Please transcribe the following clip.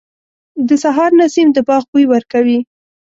• د سهار نسیم د باغ بوی ورکوي.